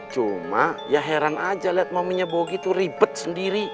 cuma ya heran aja liat maminya bogi tuh ribet sendiri